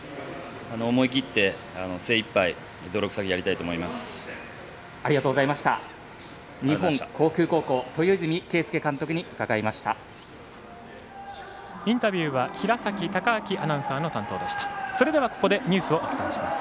思い切って、精いっぱい泥臭くやりたいと思います。